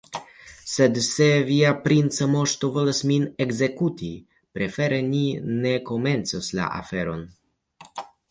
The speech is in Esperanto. Sed se via princa moŝto volas min ekzekuti, prefere ni ne komencos la aferon.